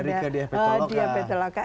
ada di petoloka